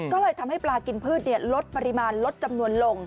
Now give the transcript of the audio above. ก็เลยทำให้ปลากินพืชลดปริมาณลดจำนวนลง